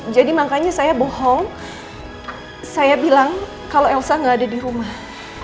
jadi makanya saya bohong saya bilang kalau elsa tidak ada di rumah